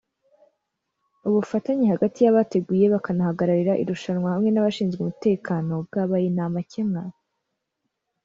ubufatanye hagati y’abateguye bakanahagararira irushanwa hamwe n’abashinzwe umutekano bwabaye ntamakemwa